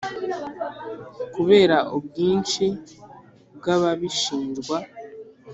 kubera ubwinshi bw’ababishinjwa